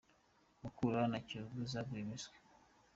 Mukura na kiyovu zaguye miswi